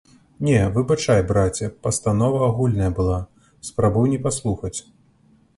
Не, выбачай, браце, пастанова агульная была, спрабуй не паслухаць!